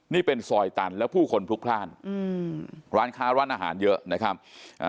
นี่เป็นซอยตันแล้วผู้คนพลุกพลาดอืมร้านค้าร้านอาหารเยอะนะครับอ่า